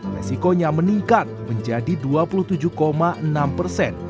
resikonya meningkat menjadi dua puluh tujuh enam persen